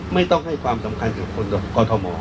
ไม่ต้องให้ความสำคัญกับคนกรทม